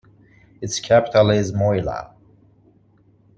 Its capital is Mouila.